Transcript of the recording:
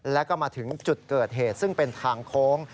แล้วก็มาถึงจุดเกิดเหตุซึ่งเป็นทางโค้ง